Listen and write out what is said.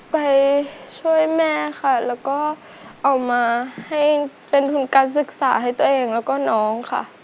ไปช่วยแม่ค่ะแล้วก็เอามาให้เป็นทุนการศึกษาให้ตัวเองแล้วก็น้องค่ะ